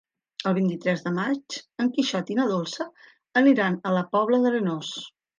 El vint-i-tres de maig en Quixot i na Dolça aniran a la Pobla d'Arenós.